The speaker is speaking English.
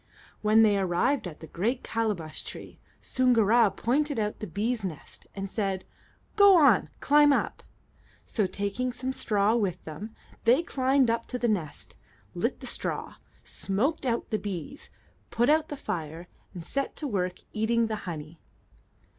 When they arrived at the great calabash tree, Soongoora pointed out the bees' nest and said, "Go on; climb up." So, taking some straw with them, they climbed up to the nest, lit the straw, smoked out the bees, put out the fire, and set to work eating the honey.